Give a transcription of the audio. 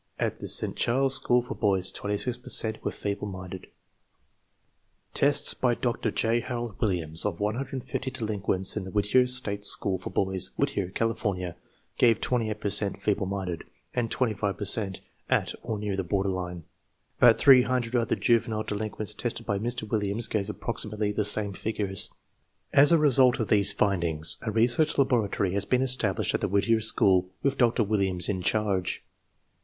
At the St. Charles School for Boys 26 per cent were feeble minded. Tests, by Dr. J. Harold Williams, of 150 delinquents in the Whittier State School for Boys, Whittier, California, gave 28 per cent feeble minded and 25 per cent at or near the border line. About 300 other juvenile delinquents tested by Mr. Williams gave approximately the same figures. As a result of these foldings a research laboratory has been established at the Whittier School, with Dr. Williams in charge.